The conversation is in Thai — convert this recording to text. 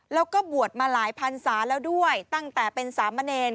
แล้วก็บวชมาหลายพันศาแล้วด้วยตั้งแต่เป็นสามเณร